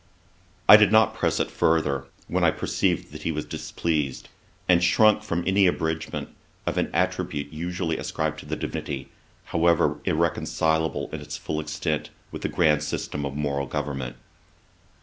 I did not press it further, when I perceived that he was displeased, and shrunk from any abridgement of an attribute usually ascribed to the Divinity, however irreconcilable in its full extent with the grand system of moral government.